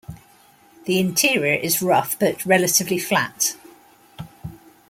The interior is rough but relatively flat.